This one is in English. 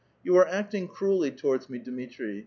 '* You are acting cruelly towards me, Dmitri.